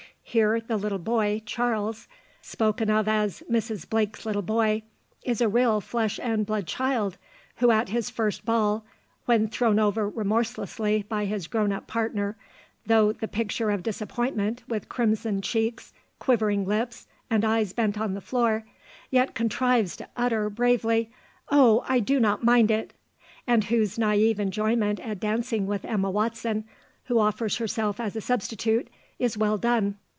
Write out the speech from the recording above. Here the little boy, Charles, spoken of as "Mrs. Blake's little boy," is a real flesh and blood child, who at his first ball when thrown over remorselessly by his grown up partner, though "the picture of disappointment, with crimsoned cheeks, quivering lips, and eyes bent on the floor," yet contrives to utter bravely, "'Oh, I do not mind it!'" and whose naïve enjoyment at dancing with Emma Watson, who offers herself as a substitute, is well done.